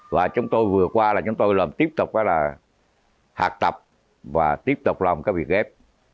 và chúng tôi vừa qua là chúng tôi là tiếp tục là học tập và tiếp tục làm cái việc ghép